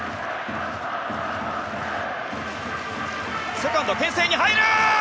セカンドに牽制に入る！